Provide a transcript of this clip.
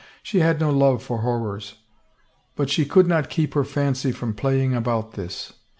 She had no love for horrors. But she could not keep her fancy from playing about this.